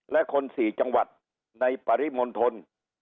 และคน๔จังหวัดในปริมณฑล